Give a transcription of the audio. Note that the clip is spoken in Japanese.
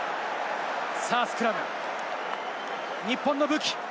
さぁ、スクラム、日本の武器。